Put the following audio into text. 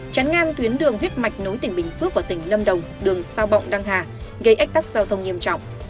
chắn ngang tuyến đường huyết mạch nối tỉnh bình phước và tỉnh lâm đồng đường sao bọng đăng hà gây ách tắc giao thông nghiêm trọng